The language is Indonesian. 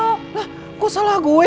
lah kok salah gue